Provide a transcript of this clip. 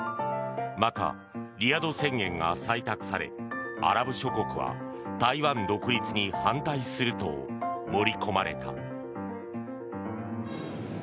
また、リヤド宣言が採択されアラブ諸国は台湾独立に反対すると盛り込まれた。